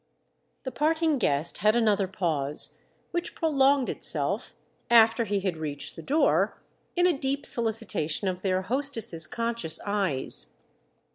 The parting guest had another pause, which prolonged itself, after he had reached the door, in a deep solicitation of their hostess's conscious eyes.